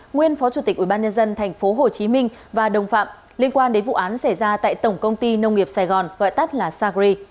nguyên phó chủ tịch ubnd tp hcm và đồng phạm liên quan đến vụ án xảy ra tại tổng công ty nông nghiệp sài gòn gọi tắt là sacri